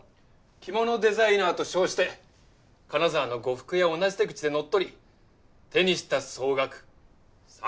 着物デザイナーと称して金沢の呉服屋を同じ手口で乗っ取り手にした総額３億円。